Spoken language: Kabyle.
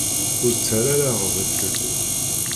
Ur ttara ara aɣbel fell-i.